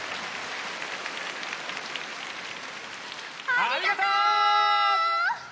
ありがとう！